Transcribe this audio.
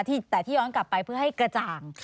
แต่ที่ย้อนกลับไปเพื่อให้กระจ่าง